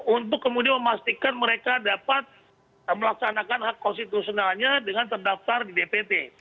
untuk kemudian memastikan mereka dapat melaksanakan hak konstitusionalnya dengan terdaftar di dpt